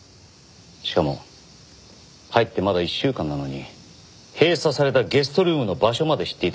しかも入ってまだ１週間なのに閉鎖されたゲストルームの場所まで知っていたとか。